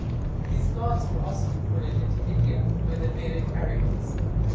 These gods were also imported into India by the Vedic Aryans.